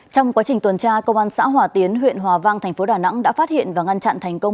trong quá trình tuần tra công an xã hòa tiến huyện hòa vang thành phố đà nẵng đã phát hiện và ngăn chặn thành công